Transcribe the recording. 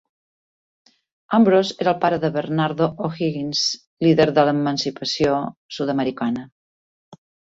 Ambrose era el pare de Bernardo O'Higgins, líder de l'emancipació sud-americana.